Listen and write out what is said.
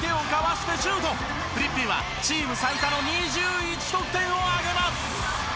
フリッピンはチーム最多の２１得点を挙げます。